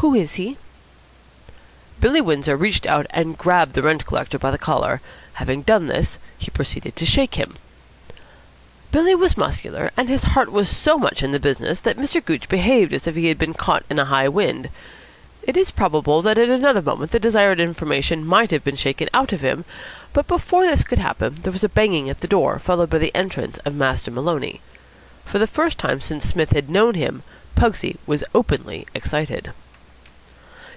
Who is he?" Billy Windsor reached out and grabbed the rent collector by the collar. Having done this, he proceeded to shake him. Billy was muscular, and his heart was so much in the business that Mr. Gooch behaved as if he had been caught in a high wind. It is probable that in another moment the desired information might have been shaken out of him, but before this could happen there was a banging at the door, followed by the entrance of Master Maloney. For the first time since Psmith had known him, Pugsy was openly excited.